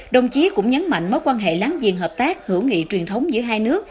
đồng chí cũng nhấn mạnh mối quan hệ láng giềng hợp tác hữu nghị truyền thống giữa hai nước